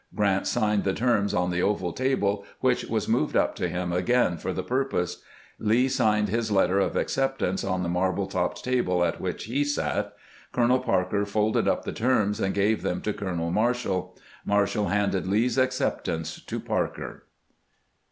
Grant signed the terms on the oval table, which was moved up to him again for the purpose. Lee signed his letter of acceptance on the marble topped table at which he sat. Colonel Parker folded up the terms, and gave them to Colonel Marshall. Marshall handed Lee's acceptance to Parker.